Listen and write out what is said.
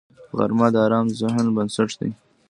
غرمه د ارام ذهن بنسټ دی